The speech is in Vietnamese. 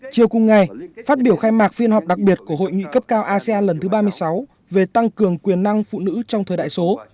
chiều cùng ngày phát biểu khai mạc phiên họp đặc biệt của hội nghị cấp cao asean lần thứ ba mươi sáu về tăng cường quyền năng phụ nữ trong thời đại số